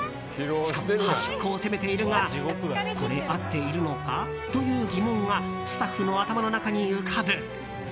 しかも端っこを攻めているがこれ合っているのか？という疑問がスタッフの頭の中に浮かぶ。